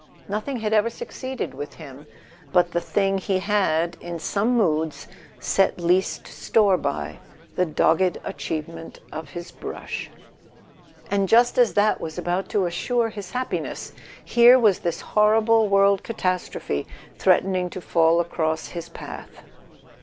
Nothing had ever succeeded with him but the thing he had in some moods set least store by, the dogged achievement of his brush; and just as that was about to assure his happiness, here was this horrible world catastrophe threatening to fall across his path.